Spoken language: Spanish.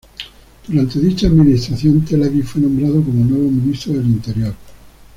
Durante dicha administración, Telavi fue nombrado como nuevo ministro del Interior.